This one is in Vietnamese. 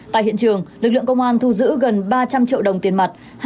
tại hiện trường lực lượng công an thu giữ gần ba trăm linh triệu đồng tiền mặt